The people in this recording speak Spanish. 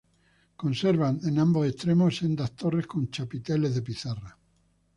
Conserva en ambos extremos sendas torres con chapiteles de pizarra.